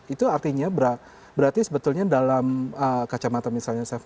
itu artinya berarti sebetulnya dalam kacamata misalnya